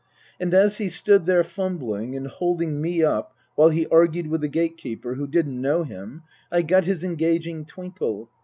And as he stood there fumbling, and holding me up while he argued with the gate keeper, who didn't know him, I got his engaging twinkle.